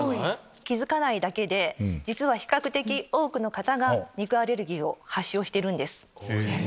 気付かないだけで比較的多くの方が肉アレルギーを発症してるんです。え！